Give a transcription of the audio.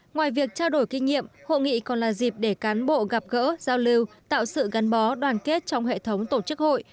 ngoài việc trao đổi kinh nghiệm hội nghị còn là dịp để cán bộ gặp gỡ giao lưu tạo sự gắn bó đoàn kết trong hệ thống tổ chức hội